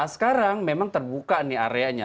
sekarang memang terbuka nih areanya